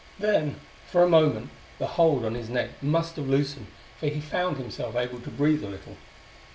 Then, for a moment, the hold on his neck must have loosened, for he found himself able to breathe a little.